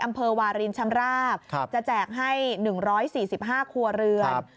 วารินชำราบจะแจกให้๑๔๕ครัวเรือน